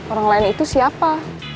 orang lain itu siapa